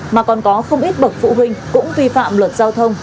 mà còn có không ít bậc phụ huynh cũng vi phạm luật giao thông